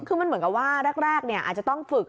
คือมันเหมือนกับว่าแรกอาจจะต้องฝึก